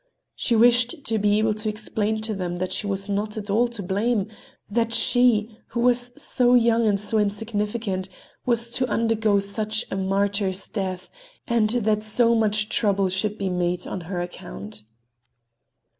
She wished to be able to explain to them that she was not at all to blame that she, who was so young and so insignificant, was to undergo such a martyr's death, and that so much trouble should be made on her account.